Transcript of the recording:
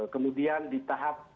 kemudian di tahap